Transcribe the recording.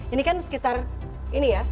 ini kan sekitar ini ya